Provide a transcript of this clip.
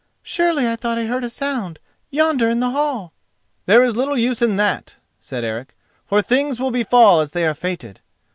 Surely I thought I heard a sound—yonder in the hall!" "There is little use in that," said Eric, "for things will befall as they are fated.